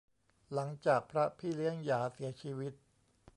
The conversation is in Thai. หลังจากพระพี่เลี้ยงหยาเสียชีวิต